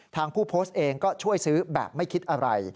ผู้โพสต์เองก็ช่วยซื้อแบบไม่คิดอะไร